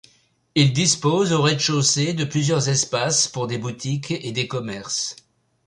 Il dispose au rez-de-chaussée de plusieurs espaces pour des boutiques et des commerces.